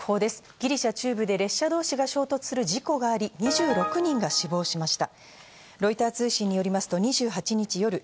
ギリシャ中部で列車同士が衝突する事故があり、２６人が死亡しました。